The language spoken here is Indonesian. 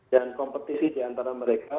dan kompetisi diantara mereka